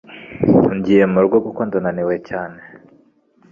Ngiye murugo kuko ndananiwe cyane